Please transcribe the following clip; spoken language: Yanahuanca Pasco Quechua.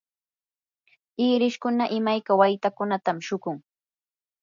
irishkuna imayka waytakunatam shuqun.